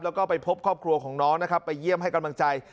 แล้วก็ไปพบครอบครัวของน้องนะครับไปเยี่ยมให้กำลังใจ